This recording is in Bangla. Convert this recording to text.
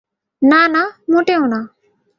না না মোটেও না।